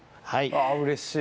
うれしい。